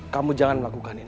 kamu jangan melakukan ini